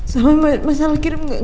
sama masalah kirim